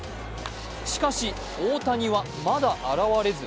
しかし、大谷はまだ現れず。